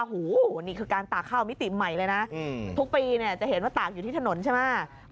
โอ้โหนี่คือการตากข้าวมิติใหม่เลยนะทุกปีเนี่ยจะเห็นว่าตากอยู่ที่ถนนใช่ไหม